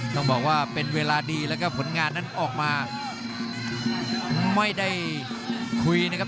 ต้องบอกว่าเป็นเวลาดีแล้วก็ผลงานนั้นออกมาไม่ได้คุยนะครับ